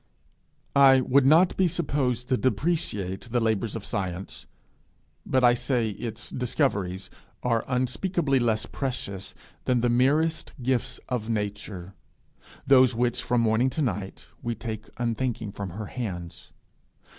I would not be supposed to depreciate the labours of science, but I say its discoveries are unspeakably less precious than the merest gifts of Nature, those which, from morning to night, we take unthinking from her hands.